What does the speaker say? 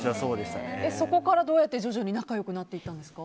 そこからどうやって徐々に仲良くなっていったんですか？